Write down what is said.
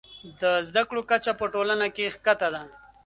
د زده کړو کچه په ټولنه کې ښکته ده.